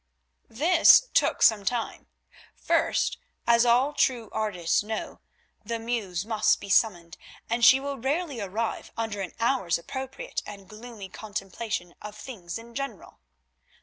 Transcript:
This took some time. First, as all true artists know, the Muse must be summoned, and she will rarely arrive under an hour's appropriate and gloomy contemplation of things in general.